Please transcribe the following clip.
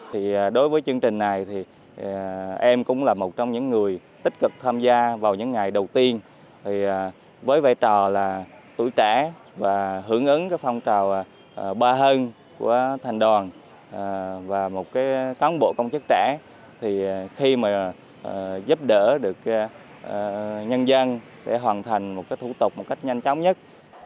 thì khi mà giúp đỡ được nhân dân để hoàn thành một cái thủ tục một cách nhanh chóng nhất